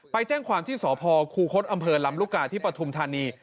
ไปแจ้งความที่สพคูคศอำเภอลำลูกกาที่ปฐุมธานี